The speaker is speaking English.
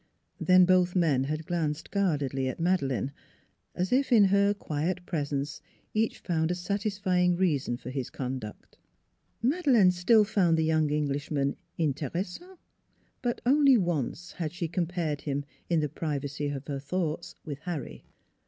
Then both men had glanced guardedly at Madeleine, as if in her quiet presence each found a satisfying reason for his conduct. Madeleine still found the young Englishman interessant. But only once had she compared him in the privacy of her thoughts with Harry.